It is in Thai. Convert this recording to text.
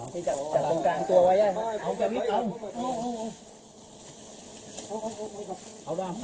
พี่จะจับตรงกลางตัวไว้